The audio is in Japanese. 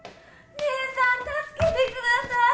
姐さん助けてください！